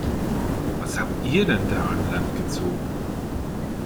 Was habt ihr denn da an Land gezogen?